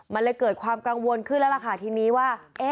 มันเลยเกิดความกังวลขึ้นแล้วล่ะค่ะทีนี้ว่า